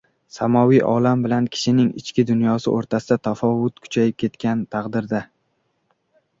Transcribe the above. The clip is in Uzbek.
Samoviy olam bilan kishining ichki dunyosi o‘rtasidagi tafovut kuchayib ketgan taqdirda